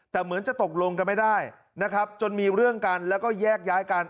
แต่เหมือนจะตกลงกันไม่ได้นะครับจนมีเรื่องกันแล้วก็แยกย้ายกัน